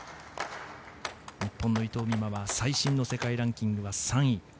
日本の伊藤美誠は最新の世界ランキングは３位。